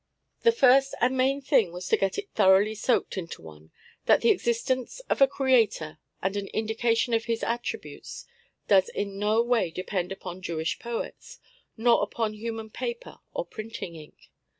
The first and main thing was to get it thoroughly soaked into one that the existence of a Creator and an indication of His attributes does in no way depend upon Jewish poets, nor upon human paper or printing ink.